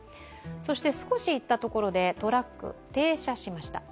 そして少し行ったところで、トラック停車しました。